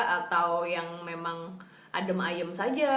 atau yang memang adem ayem saja